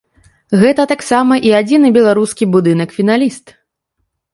Гэта таксама і адзіны беларускі будынак-фіналіст.